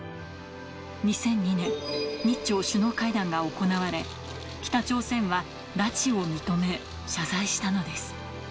２００２年、日朝首脳会談が行われ、北朝鮮は拉致を認め、謝罪したのです。